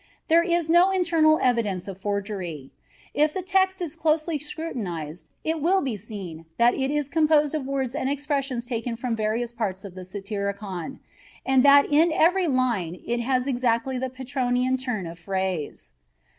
There is no internal evidence of forgery. If the text is closely scrutinized it will be seen that it is composed of words and expressions taken from various parts of the Satyricon, "and that in every line it has exactly the Petronian turn of phrase."